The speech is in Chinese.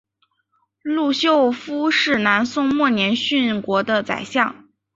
陆秀夫是南宋末年殉国的宰相。